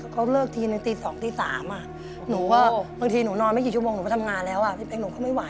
เขาเลิกทีนึงตี๒ตี๓หนูก็บางทีหนูนอนไม่กี่ชั่วโมงหนูไปทำงานแล้วหนูก็ไม่ไหว